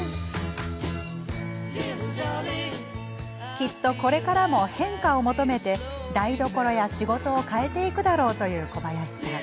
きっとこれからも変化を求めて台所や仕事を変えていくだろうという小林さん。